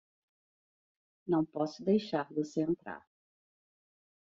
Não posso deixar você entrar